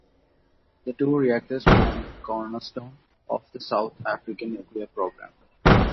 The two reactors form the cornerstone of the South African nuclear program.